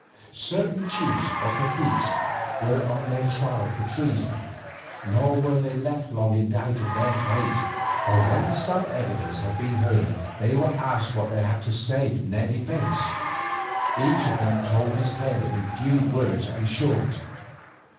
Certain chiefs or caciques were on their trial for treason, nor were they left long in doubt as to their fate. For when some evidence had been heard they were asked what they had to say in their defence. Each of them told his tale in few words and short.